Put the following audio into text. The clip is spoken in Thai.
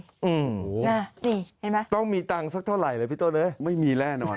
โอ้โฮต้องมีตังค์สักเท่าไหร่เลยพี่โต๊ะเนี่ยไม่มีแหล่ะนอน